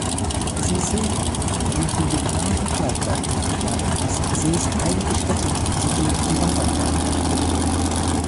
Sie sehen durch die geplante Pipeline-Unterquerung des Sees heilige Stätten sowie die Wasserqualität bedroht.